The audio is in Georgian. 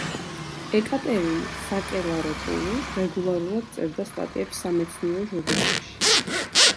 ეკატერინი საკელაროპულუ რეგულარულად წერდა სტატიებს სამეცნიერო ჟურნალებში.